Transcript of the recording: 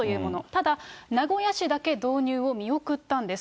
ただ、名古屋市だけ導入を見送ったんです。